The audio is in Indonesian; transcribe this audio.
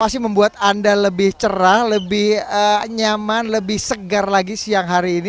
pasti membuat anda lebih cerah lebih nyaman lebih segar lagi siang hari ini